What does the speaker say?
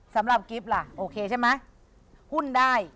สำหรับกิ๊บล่ะโอเคใช่ไหมหุ้นได้